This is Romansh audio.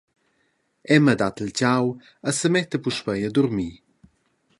Emma dat il tgau e semetta puspei a durmir.